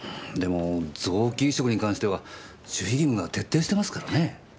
でも臓器移植に関しては守秘義務が徹底してますからね。